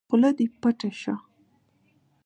خوله دې پټّ شه!